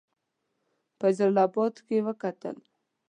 په جلا آباد کې وکتل.